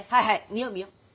見よう見よう。